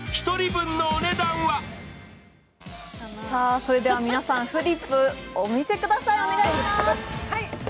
それでは皆さん、フリップをお見せください。